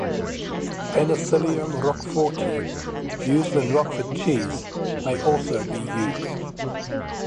"Penicillium roqueforti", used in Roquefort cheese, may also be used.